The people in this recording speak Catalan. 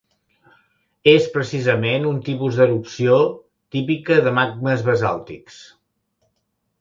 És precisament un tipus d'erupció típica de magmes basàltics.